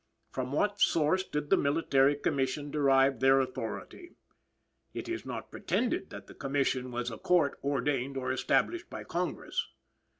"From what source did the Military Commission derive their authority?" "It is not pretended that the commission was a court ordained or established by Congress."